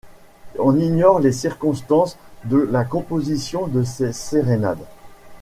On ignore les circonstances de la composition de cette sérénade.